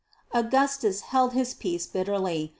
Augustus held his peace bitterly.